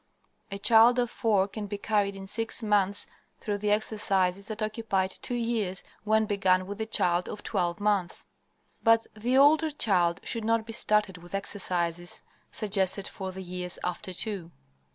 A child of four can be carried in six months through the exercises that occupied two years when begun with the child of twelve months, but the older child should not be started with exercises suggested for the years after two.